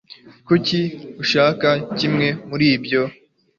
kuki ushaka kimwe muri ibyo